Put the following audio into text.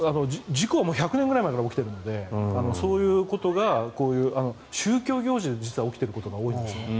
事故は１００年くらい前から起きてるのでそういうことが宗教行事で実は起きていることが多いんですね。